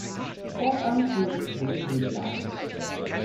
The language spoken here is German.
Fortan fuhr sie für die Greek Line.